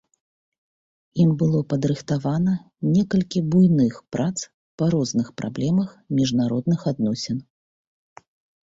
Ім было падрыхтавана некалькі буйных прац па розных праблемах міжнародных адносін.